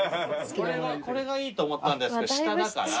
これがいいと思ったんですけど下だから。